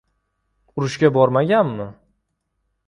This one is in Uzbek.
— Urushga bormaganmi?